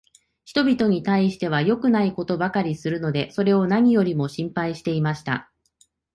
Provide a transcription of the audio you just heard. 人びとに対しては良くないことばかりするので、それを何よりも心配していました。